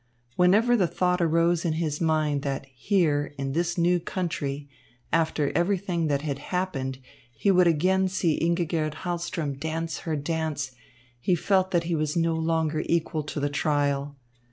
Whenever the thought arose in his mind that here, in this new country, after everything that had happened, he would again see Ingigerd Hahlström dance her dance, he felt that he was no longer equal to the trial.